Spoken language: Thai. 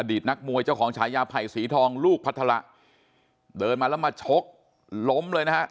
นักมวยเจ้าของฉายาไผ่สีทองลูกพัฒระเดินมาแล้วมาชกล้มเลยนะฮะ